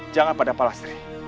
jangan pada pak lastri